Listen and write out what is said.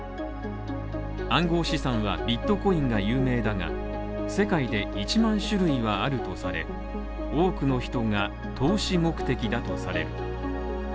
暗号資産は、ビットコインが有名だが、世界で１万種類はあるとされ、多くの人が投資目的だとされる。